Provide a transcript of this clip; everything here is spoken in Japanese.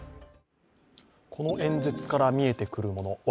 この演説から見えてくるもの